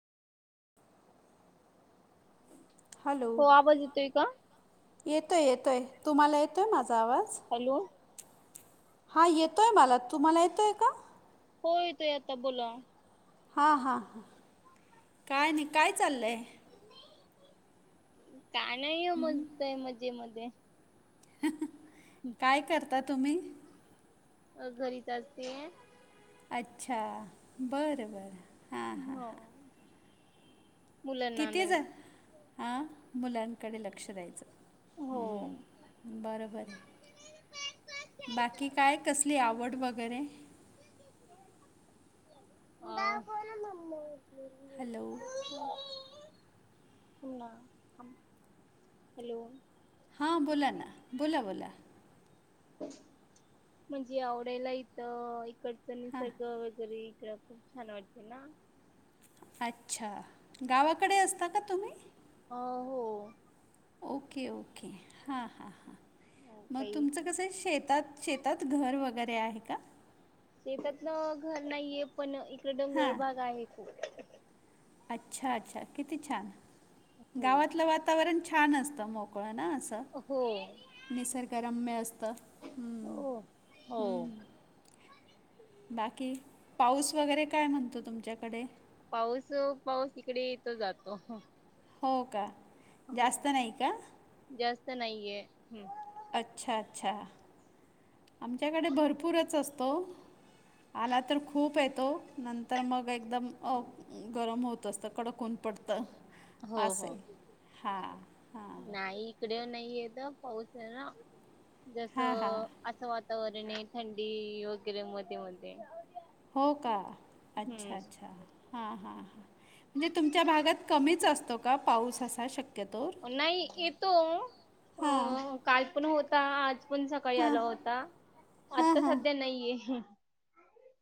Hello हो आवाज येतोय का येतोय येतोय तुम्हाला येतोय माझा आवाज? हॅलो. हा येतो आहे मला तुम्हाला येतो आहे का. हो येतोय आता बोला. हां हां ह काय नाही काय चाललं आहे. काय नाही हो मस्तय मजेमध्ये काय करता तुम्ही? अ घरीच असते. अच्छा बरं बरं. हां हां हो हां मुलांना तिथेच आणायला आहे हां मुलांकडे लक्ष द्यायचं. हो म बरों बर. बाकी काय कसली आवड वगैरे. अ हॅलो [unintelligible] ना हम हॅलो. हां बोला ना बोला बोला. म्हणजे आवडायला इथं इकडच हां निसर्ग वगैरे इकड खू छान वाटते ना. अच्छा गावाकडे असता का तुम्ही? अ हो. ओके ओके हां हो हां काही तुमचं कसं शेत. त्याच शेतात घर वगैरे आहे का. शेतात ना घर नाहीये पण इकड डोंगळ हां भाग आहे खूप अच्छा अच्छा किती छान हो गावातलं वातावरण छान असतं मोकळं ना असं. हो निसर्गरम्य असत हम हो हो हम. बाकी पाऊस वगैरे काय म्हणतो तुमच्याकडे. पाऊस अ पाऊस अ इकडे येतो जातो. हो का. जास्त हो नाही का जास्त नाहीये हम्. अच्छा अच्छा आमच्याकडे भरपूरच असतो. आला तर खूप येतो नंत् तर मग एकदम अ गरम होत असतं, कडक ऊन पडतं. हो असं हो आहे हां हां नाई. इकडे नाही येत, पाऊसे ना म्हणजे हां हां असं असं वातावरणे थंडी वगैरे मध्ये मध्ये. हो का, अच्छा हम्म अच्छा. हा, हां, हां, म्हणजे तुमच्या भागात कमीच असतो. का पाऊस असा शक्यतोवर नाई येतो. हां अं काल पण होता. आज पण सकाळी आला होता, आता सध्या नईये.